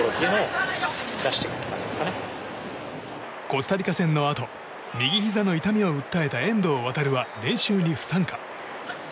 コスタリカ戦のあと右ひざの痛みを訴えた遠藤航は練習に不参加。